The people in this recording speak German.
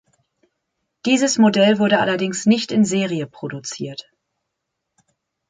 Dieses Modell wurde allerdings nicht in Serie produziert.